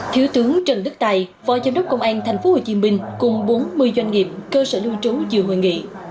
thiếu tướng trần đức tài phó giám đốc công an tp hcm cùng bốn mươi doanh nghiệp cơ sở lưu trú dự hội nghị